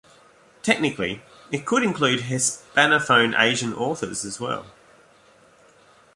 Technically, it could include hispanophone Asian authors as well.